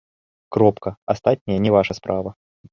Кропка, астатняе не ваша справа!